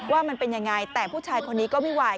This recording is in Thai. ว่ามันเป็นยังไงแต่ผู้ชายคนนี้ก็ไม่ไหว